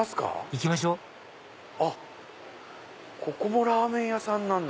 行きましょあっここもラーメン屋さんなんだ！